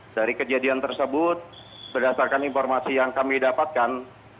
dari kejadian tersebut berdasarkan informasi yang kami dapatkan